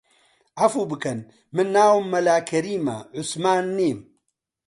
عەفوو بکەن من ناوم مەلا کەریمە، عوسمان نیم